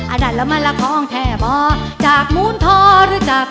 อาดันแล้วมันละของแทบ่าจากหมุนทอหรือจากเทอร์